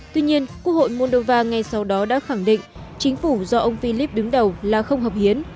tuy nhiên quốc hội moldova ngay sau đó đã khẳng định chính phủ do ông philip đứng đầu là không hợp hiến